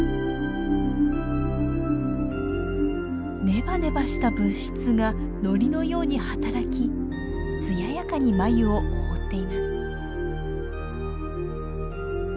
ネバネバした物質がのりのように働き艶やかに繭を覆っています。